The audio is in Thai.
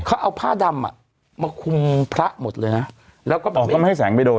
เขาเอาผ้าดำอ่ะมาคุมพระหมดเลยนะแล้วก็บอกว่าไม่ให้แสงไปโดน